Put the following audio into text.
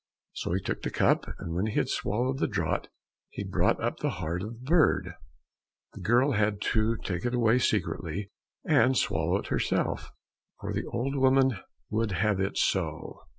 So he took the cup, and when he had swallowed the draught, he brought up the heart of the bird. The girl had to take it away secretly and swallow it herself, for the old woman would have it so.